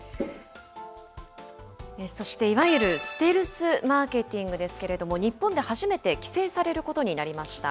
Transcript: そしていわゆるステルスマーケティングですけれども、日本で初めて、規制されることになりました。